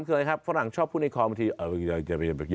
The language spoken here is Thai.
๓คืออะไรครับฝรั่งชอบพูดในคอบันทึก